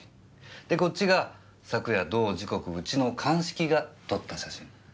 でこっちが昨夜同時刻うちの鑑識が撮った写真。